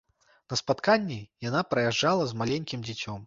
На спатканні яна прыязджала з маленькім дзіцём.